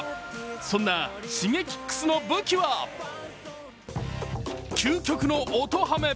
そんなＳｈｉｇｅｋｉｘの武器は究極の音ハメ。